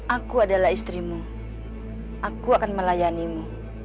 aku adalah istrimu aku akan melayanimu